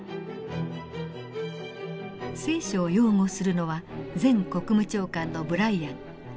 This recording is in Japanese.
「聖書」を擁護するのは前国務長官のブライアン。